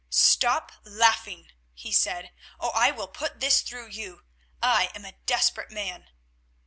"Stop laughing," he said, "or I will put this through you. I am a desperate man."